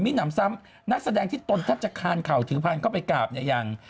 มินำซ้ำนักแสดงที่ตนทัพจักครานข่าวถือพันธุ์เข้าไปกราบเนี่ยยัง